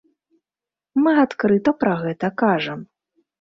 Мы адкрыта пра гэта кажам.